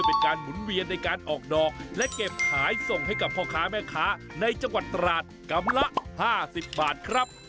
พ่อค้าแม่ค้าในจังหวัดตราดกรรมละ๕๐บาทครับ